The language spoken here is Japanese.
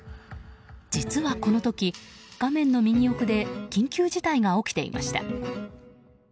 実はこの時、画面の右奥で緊急事態が起きていました。